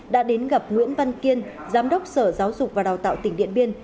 đã đến gặp nguyễn văn kiên giám đốc sở giáo dục và đào tạo tỉnh điện biên